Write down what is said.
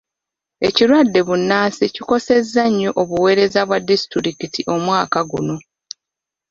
Ekirwadde bbunansi kikosezza nnyo obuweereza bwa disitulikiti omwaka guno.